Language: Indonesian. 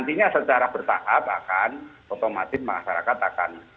artinya secara bertahap akan otomatis masyarakat akan